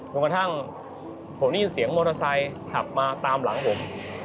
กระทั่งผมได้ยินเสียงมอเตอร์ไซค์ขับมาตามหลังผม